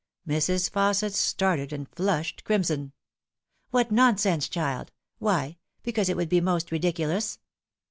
Mrs. Fausset started, and flushed crimson. " What nonsense, child I Why, because it would be most ridiculous."